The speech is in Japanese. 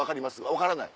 分からない？